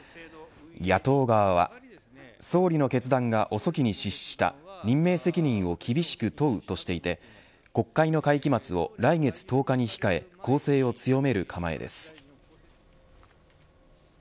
野党側は総理の決断が遅きに失した任命責任を厳しく問うとしていて国会の会期末を来月１０日に控え攻勢を強める構えです。